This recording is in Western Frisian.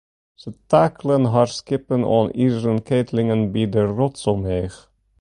Se takelen har skippen oan izeren keatlingen by de rots omheech.